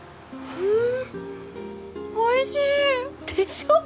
うん。